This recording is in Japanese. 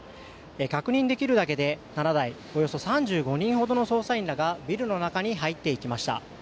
確認できるだけでおよそ３５人ほどの捜査員らがビルの中へ入っていきました。